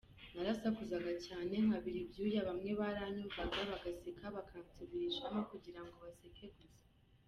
Narasakuzaga cyane nkabira ibyuya, bamwe baranyumvaga bagaseka bakansubirishamo kugira ngo baseke gusa.